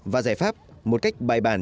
và giải pháp một cách bài bản